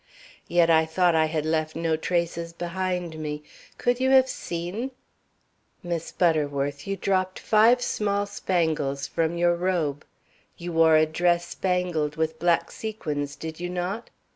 Yet I thought I had left no traces behind me. Could you have seen " "Miss Butterworth, you dropped five small spangles from your robe. You wore a dress spangled with black sequins, did you not?